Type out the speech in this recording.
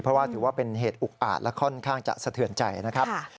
เพราะว่าถือว่าเป็นเหตุอุกอาจและค่อนข้างจะสะเทือนใจนะครับ